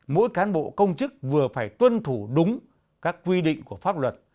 mỗi cán bộ công chức vừa phải tuân thủ đúng các quy định của pháp luật